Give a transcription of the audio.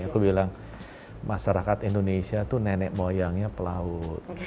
aku bilang masyarakat indonesia itu nenek moyangnya pelaut